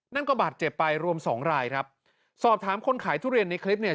นั่นก็บาดเจ็บไปรวมสองรายครับสอบถามคนขายทุเรียนในคลิปเนี่ย